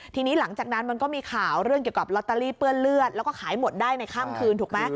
ทีนี้หลังจากนั้นมันก็มีข่าวเรื่องเกี่ยวกับลอตเตอรี่เปื้อนเลือดแล้วก็ขายหมดได้ในค่ำคืนถูกไหม